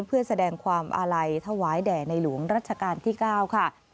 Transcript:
เพื่อแสดงความอาลัยถวายแด่ในหลวงรัชกาลที่๙ค่ะ